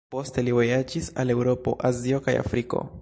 Poste li vojaĝis al Eŭropo, Azio kaj Afriko.